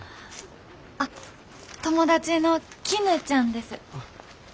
あっ友達のきぬちゃんです。